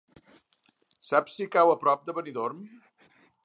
Saps si cau a prop de Benidorm?